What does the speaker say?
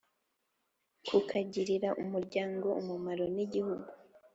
kukagirira umuryango umumaro ni gihugu